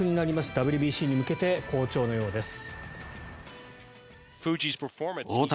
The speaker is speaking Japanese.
ＷＢＣに向けて好調のようです。